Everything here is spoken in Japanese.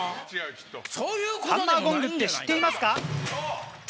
ハンマーゴングって知っていますか？